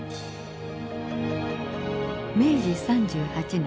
明治３８年。